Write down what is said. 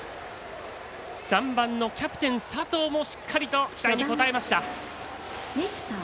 ３番のキャプテン佐藤もしっかりと期待に応えました。